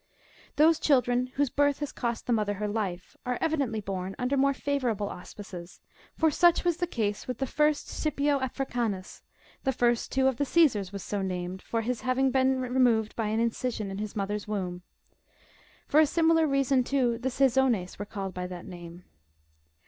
Those children, whose bii'th has cost the mother her life, are evidently born under more favourable auspices ; for such was the case with the first Scipio Africanus ; the first, too, of the Caesars was so named, from his having been removed by an in cision in his mother's womb. For a similar reason, too, the Caesones were called by that name.